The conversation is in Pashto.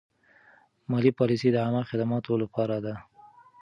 مالي پالیسي د عامه خدماتو لپاره ده.